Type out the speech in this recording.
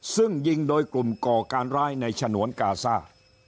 ซึ่งยิงโดยกลุ่มก่อการร้ายในฉนวนกาซ่า